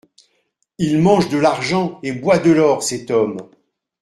Il mange de l’argent et boit de l’or, cet homme !